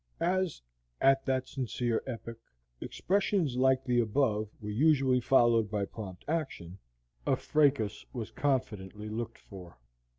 As, at that sincere epoch, expressions like the above were usually followed by prompt action, a fracas was confidently looked for.